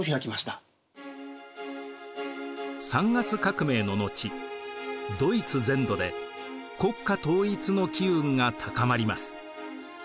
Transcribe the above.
三月革命の後ドイツ全土で国家統一の機運が高まります。